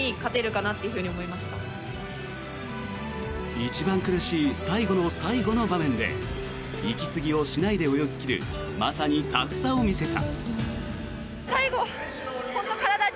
一番苦しい最後の最後の場面で息継ぎをしないで泳ぎ切るまさにタフさを見せた。